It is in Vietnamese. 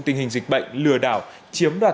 tình hình dịch bệnh lừa đảo chiếm đoạt